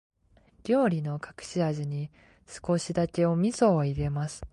料理の隠し味に、少しだけお味噌を入れます。